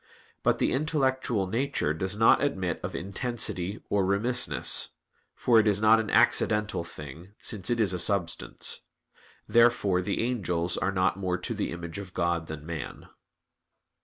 But the intellectual nature does not admit of intensity or remissness; for it is not an accidental thing, since it is a substance. Therefore the angels are not more to the image of God than man.